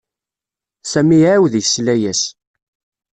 Sami iɛawed yesla-as.